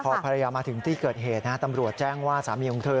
พอภรรยามาถึงที่เกิดเหตุตำรวจแจ้งว่าสามีของเธอ